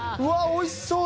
おいしそう。